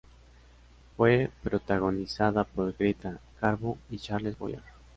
Fue protagonizada por Greta Garbo y Charles Boyer.